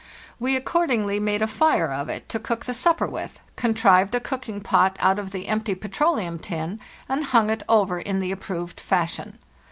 We accordingly made a fire of it to cook the A HARD STRUGGLE 209 supper with, contrived a cooking pot out of the empty petroleum tin, and hung it over in the approved fashion.